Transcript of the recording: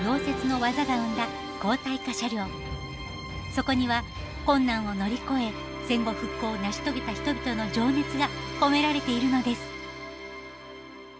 そこには困難を乗り越え戦後復興を成し遂げた人々の情熱が込められているのです。